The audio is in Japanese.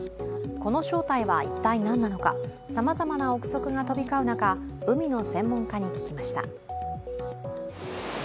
この正体は一体何なのかさまざまな臆測が飛び交う中海の専門家に聞きました。